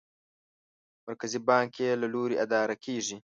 مرکزي بانک یې له لوري اداره کېږي.